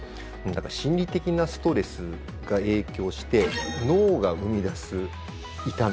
心理的なストレスが影響して脳が生み出す痛み。